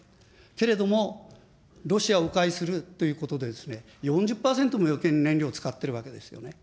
けれども、ロシアをう回するということでですね、４０％もよけいに燃料使ってるわけですよね。